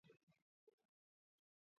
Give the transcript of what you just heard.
ამბობს არტისტი, “ამერიკის ხმასთან“ საუბრისას.